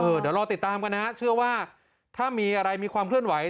เดี๋ยวรอติดตามกันนะฮะเชื่อว่าถ้ามีอะไรมีความเคลื่อนไหว